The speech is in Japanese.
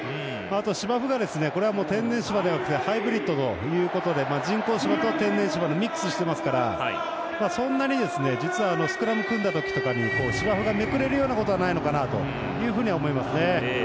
芝生が、これは天然芝ではなくてハイブリッドということで人工芝と天然芝とミックスしてますから、そんなに実はスクラム組んだ時とかに芝生がめくれることはないのかなというふうには思いますね。